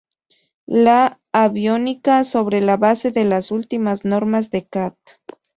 La aviónica sobre la base de las últimas normas de Cat.